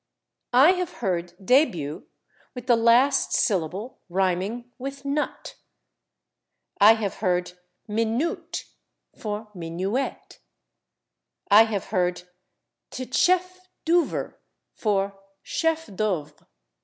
I have heard /début/ with the last syllable rhyming with /nut/. I have heard /minoot/ for /minuet/. I have heard /tchef doover/ for /chef d'œuvre